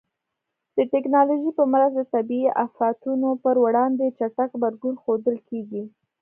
د ټکنالوژۍ په مرسته د طبیعي آفاتونو پر وړاندې چټک غبرګون ښودل کېږي.